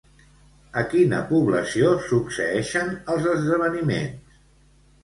A quina població succeeixen els esdeveniments?